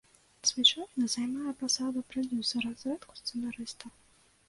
Звычайна займае пасаду прадзюсара, зрэдку сцэнарыста.